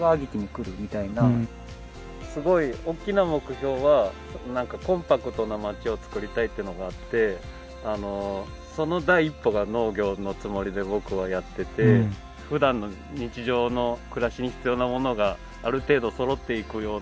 すごい大きな目標はコンパクトな町をつくりたいっていうのがあってその第一歩が農業のつもりで僕はやっててふだんの日常の暮らしに必要なものがある程度そろっていくような。